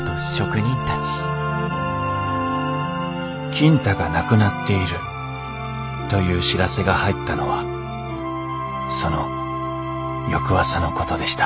金太が亡くなっているという知らせが入ったのはその翌朝のことでした